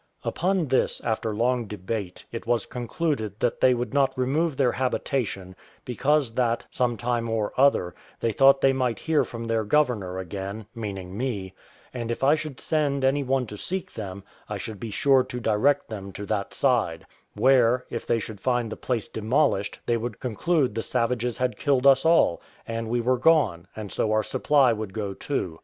Upon this, after long debate, it was concluded that they would not remove their habitation; because that, some time or other, they thought they might hear from their governor again, meaning me; and if I should send any one to seek them, I should be sure to direct them to that side, where, if they should find the place demolished, they would conclude the savages had killed us all, and we were gone, and so our supply would go too.